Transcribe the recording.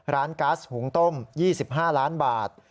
ร้านกัสหุงต้ม๒๕ล้านบาท